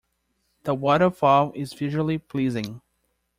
The waterfall is visually pleasing.